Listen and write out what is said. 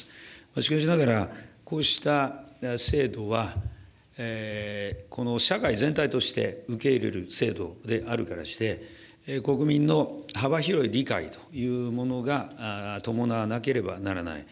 しかしながら、こうした制度は、社会全体として受け入れる制度であるからして、国民の幅広い理解というものが伴わなければならない。